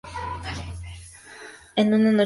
En una noche de tormenta